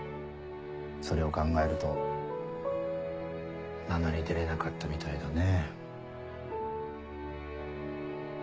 それを考えると名乗り出れなかったみたいだね。